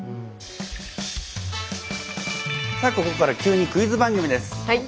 さあここから急にクイズ番組です。